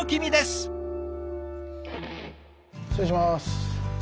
失礼します。